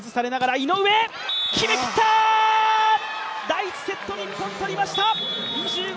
第１セット、日本とりました。